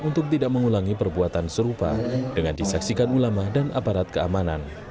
untuk tidak mengulangi perbuatan serupa dengan disaksikan ulama dan aparat keamanan